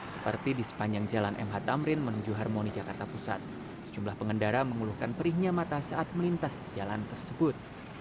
seperti di sepanjang jalan mh tamrin menuju harmoni jakarta pusat sejumlah pengendara mengeluhkan perihnya mata saat melintas di jalan tersebut